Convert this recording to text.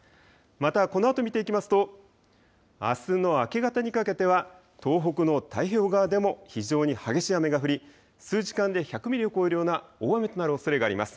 またこのあと見ていきますとあすの明け方にかけては東北の太平洋側でも非常に激しい雨が降り、数時間で１００ミリを超えるような大雨となるおそれがあります。